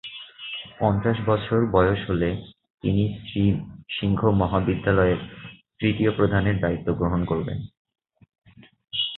পঞ্চাশ বছর বয়স হলে তিনি শ্রী সিংহ মহাবিদ্যালয়ের তৃতীয় প্রধানের দায়িত্ব গ্রহণ করেন।